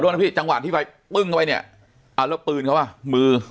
ขอโทษนะพี่จังหวะที่ไฟปึ้งไว้เนี้ยอ่าแล้วปืนเขาว่ามือ